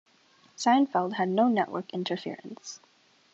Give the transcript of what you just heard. "Seinfeld" had no network interference.